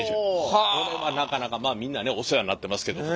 これはなかなかまあみんなねお世話になってますけども。